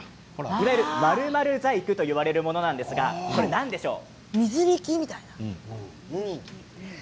○○細工と言われるものなんですが何でしょう？